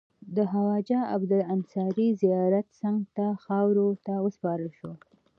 د خواجه عبدالله انصاري زیارت څنګ ته خاورو ته وسپارل شو.